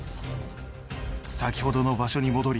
先ほどの場所に戻り